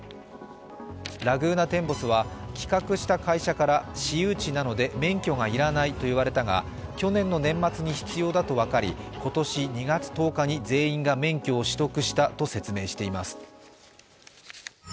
ラグーナテンボスは、企画した会社から私有地なので免許が要らないと言われたが去年の年末に必要だと分かり今年２月１０日に全員が免許を取得したと説明しています。